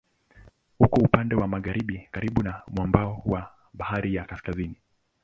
Uko upande wa magharibi karibu na mwambao wa Bahari ya Kaskazini.